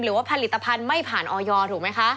หรือว่าผลิตภัณฑ์ไม่ผ่านออยถูกไหมคะ